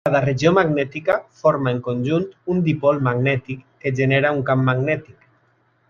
Cada regió magnètica forma en conjunt un dipol magnètic que genera un camp magnètic.